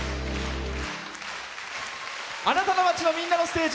あなたの街の、みんなのステージ。